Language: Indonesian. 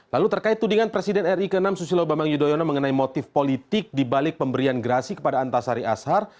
lalu terkait tudingan presiden ri ke enam susilo bambang yudhoyono mengenai motif politik dibalik pemberian gerasi kepada antasari ashar